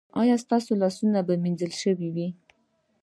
ایا ستاسو لاسونه به مینځل شوي وي؟